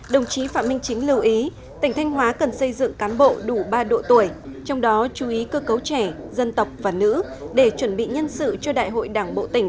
đồng chí phạm minh chính lưu ý tỉnh thanh hóa cần xây dựng cán bộ đủ ba độ tuổi trong đó chú ý cơ cấu trẻ dân tộc và nữ để chuẩn bị nhân sự cho đại hội đảng bộ tỉnh